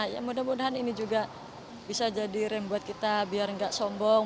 ya mudah mudahan ini juga bisa jadi rem buat kita biar nggak sombong